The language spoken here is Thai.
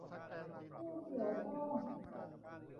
ผู้เกี่ยวข้อง